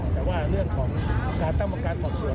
แต่ว่าเรื่องของการตั้งกรรมการสอบส่วน